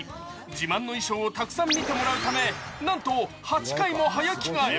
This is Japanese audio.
自慢の衣装をたくさん見てもらうため、なんと８回も早着替え。